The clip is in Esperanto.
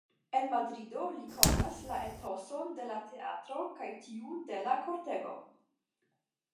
En Madrido li konas la etoson de la teatro kaj tiun de la kortego.